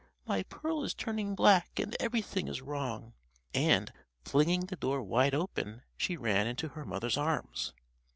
my pearl is turning black and everything is wrong!" and, flinging the door wide open, she ran into her mother's arms.